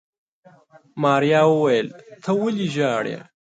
ماريا وويل ته ولې ژاړې.